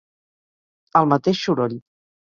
El mateix soroll.